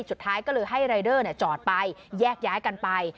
สุดท้ายก็เลยให้รายเดอร์จอดไปแยกย้ายกันไป